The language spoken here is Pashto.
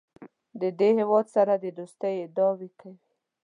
د دې هېواد سره د دوستۍ ادعاوې کوي.